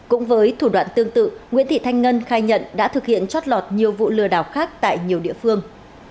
cũng với thủ đoạn tương tự nguyễn thị thanh ngân khai nhận đã thực hiện chót lọt nhiều vụ lừa đảo khác tại nhiều địa phương